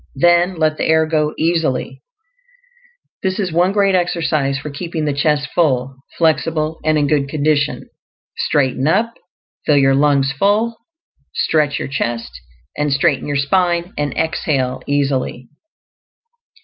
Then let the air go easily. This is the one great exercise for keeping the chest full, flexible, and in good condition. Straighten up; fill your lungs FULL; stretch your chest and straighten your spine, and exhale easily.